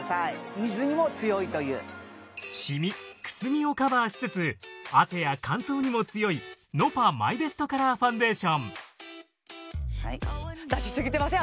水にも強いというシミくすみをカバーしつつ汗や乾燥にも強いｎｏｐａマイベストカラーファンデーション出しすぎてません？